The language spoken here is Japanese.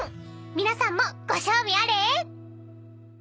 ［皆さんもご賞味あれ］